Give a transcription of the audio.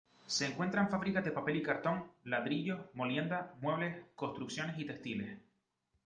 Se encuentran fábricas de papel y cartón, ladrillos, molienda, muebles, construcciones y textiles.